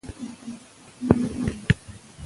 هر پښتون باید په دې پروژه کې برخه واخلي.